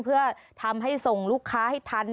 เพื่อทำให้ส่งลูกค้าให้ทัน